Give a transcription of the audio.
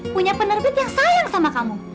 punya penerbit yang sayang sama kamu